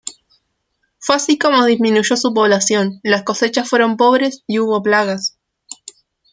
Fue así como disminuyó su población, las cosechas fueron pobres y hubo plagas.